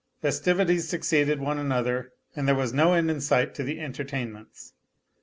Festivities succeeded one another, and there was no end in sight to the entertainments.